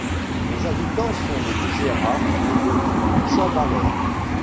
Les habitants sont les Bougérards et les Chambalaires.